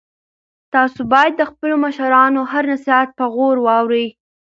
تاسو باید د خپلو مشرانو هر نصیحت په غور واورئ.